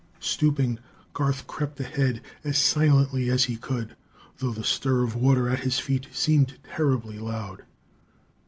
Stooping, Garth crept ahead, as silently as he could, though the stir of water at his feet seemed terribly loud.